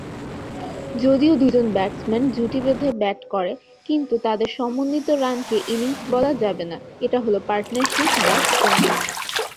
যদিও দুইজন ব্যাটসম্যান জুটি বেঁধে ব্যাট করে, কিন্তু তাদের সমন্বিত রানকে ইনিংস বলা যাবে না, এটা হল পার্টনারশিপ বা স্ট্যান্ড।